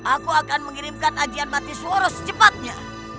aku akan mengirimkan ajian mati suara secepatnya